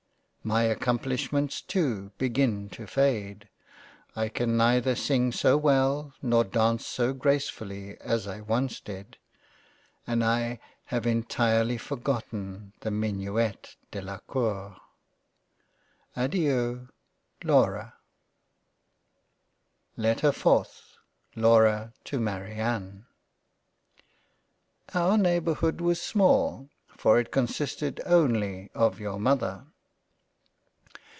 My 6 £ LOVE AND FREINDSHIP £ accomplishments too, begin to fade — I can neither sing so well nor Dance so gracefully as I once did — and I have entirely forgot the Minuet Dela Cour. I Adeiu. Laura. LETTER 4th LAURA to MARIANNE OUR neighbourhood was small, for it consisted only of your Mother.